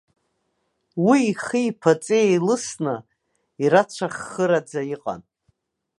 Уи ихи иԥаҵеи еилысны, ирацәаххыраӡа иҟан.